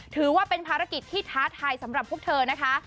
ถือว่าเป็นภารกิจที่ท้าทายสำหรับพวกเธอนะคะ